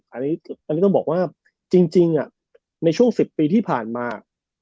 อันนี้ต้องบอกว่าจริงในช่วง๑๐ปีที่ผ่านมา